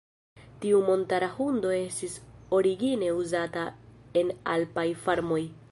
Tiu montara hundo estis origine uzata en alpaj farmoj.